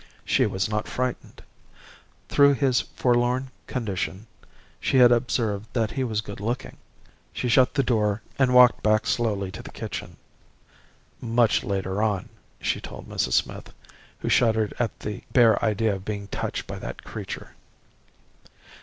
She was not frightened. Through his forlorn condition she had observed that he was good looking. She shut the door and walked back slowly to the kitchen. Much later on, she told Mrs. Smith, who shuddered at the bare idea of being touched by that creature.